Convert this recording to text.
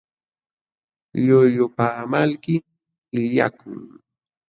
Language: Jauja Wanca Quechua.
Llullapaamalmi illakun.